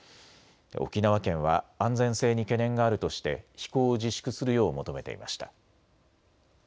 沖縄県は安全性に懸念があるとして飛行を自粛するよう求めていました。